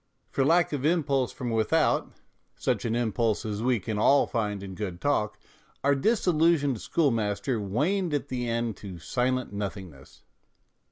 For lack of impulse from without, such an impulse as we can all find in good talk, our disillusioned schoolmaster waned at the end to silent nothingness.